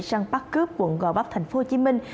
săn bắt cướp quận gò vấp thành phố hồ chí minh